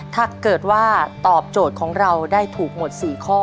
ถ้าเกิดว่าตอบโจทย์ของเราได้ถูกหมด๔ข้อ